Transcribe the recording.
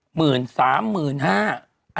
หมื่นสามหมื่นห้า